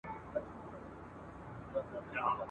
زه چي ماشوم وم په مالت کي به هرچا ویله ..